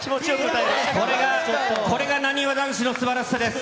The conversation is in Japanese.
これが、これがなにわ男子のすばらしさです。